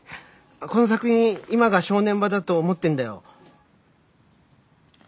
この作品今が正念場だと思ってんだよ。